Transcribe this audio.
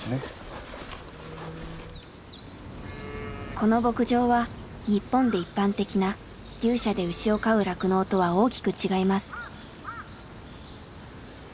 この牧場は日本で一般的な牛舎で牛を飼う酪農とは大きく違います。